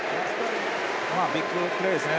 ビッグプレーですね。